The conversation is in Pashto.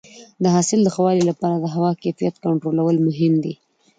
د حاصل د ښه والي لپاره د هوا کیفیت کنټرول مهم دی.